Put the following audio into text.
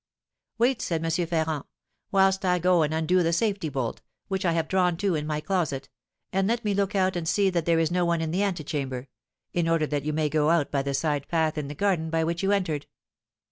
'Wait,' said M. Ferrand, 'whilst I go and undo the safety bolt, which I have drawn to in my closet, and let me look out and see that there is no one in the antechamber, in order that you may go out by the side path in the garden by which you entered.'